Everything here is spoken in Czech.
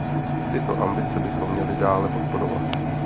Tyto ambice bychom měli dále podporovat.